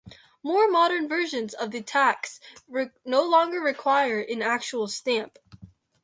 More modern versions of the tax no longer require an actual stamp.